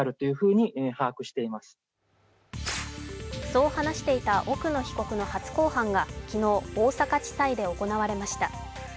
そう話していた奥野被告の初公判が昨日、大阪地裁で行われました。